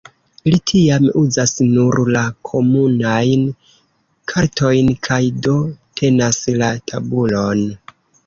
Li tiam uzas nur la komunajn kartojn, kaj do "tenas la tabulon".